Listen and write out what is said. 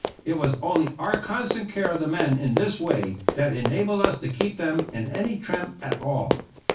It was only our constant care of the men in this way that enabled us to keep them in any trim at all.